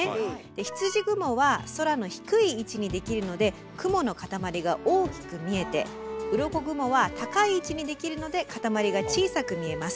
ひつじ雲は空の低い位置にできるので雲のかたまりが大きく見えてうろこ雲は高い位置にできるのでかたまりが小さく見えます。